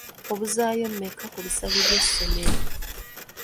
Obuzaayo mmeka ku bisale by'essomero?